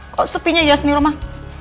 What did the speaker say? kok sepinya yes nih rumah